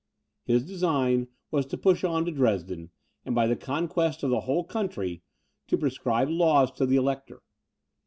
His design was to push on to Dresden, and by the conquest of the whole country, to prescribe laws to the Elector.